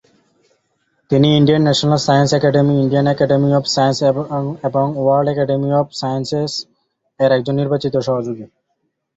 তিনি Indian national science academy, Indian academy of science এবং world academy of sciences এর একজন নির্বাচিত সহযোগী।